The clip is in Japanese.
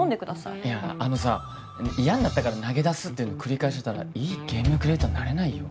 いやあのさ嫌になったから投げ出すってのを繰り返してたらいいゲームクリエイターになれないよ？